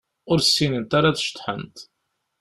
Ur ssinent ara ad ceḍḥent.